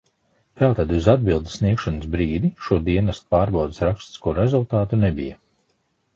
Tātad uz atbildes sniegšanas brīdi šo dienesta pārbaudes rakstisko rezultātu nebija.